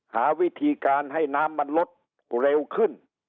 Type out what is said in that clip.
หาวิธีการให้น้ำมันลดเร็วขึ้น